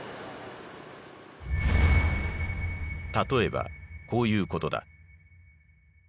例えばこういうことだ。